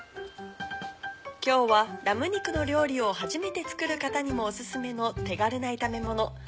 今日はラム肉の料理を初めて作る方にもお薦めの手軽な炒めもの。